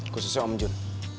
khususnya om jun